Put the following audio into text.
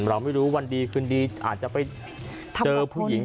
เราไม่รู้วันดีคืนดีอาจจะไปเจอผู้หญิง